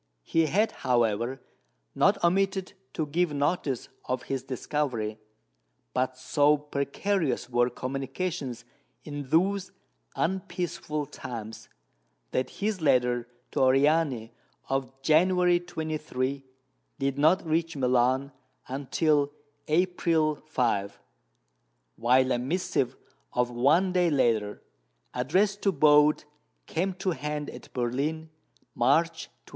He had, however, not omitted to give notice of his discovery; but so precarious were communications in those unpeaceful times, that his letter to Oriani of January 23 did not reach Milan until April 5, while a missive of one day later addressed to Bode came to hand at Berlin, March 20.